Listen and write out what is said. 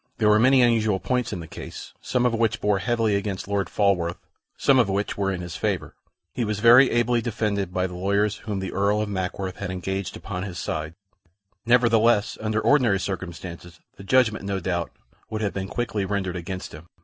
There were many unusual points in the case, some of which bore heavily against Lord Falworth, some of which were in his favor. He was very ably defended by the lawyers whom the Earl of Mackworth had engaged upon his side; nevertheless, under ordinary circumstances, the judgment, no doubt, would have been quickly rendered against him.